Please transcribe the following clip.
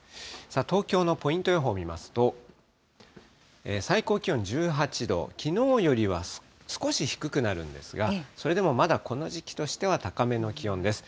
東京のポイント予報を見ますと、最高気温１８度、きのうよりは少し低くなるんですが、それでもまだこの時期としては高めの気温です。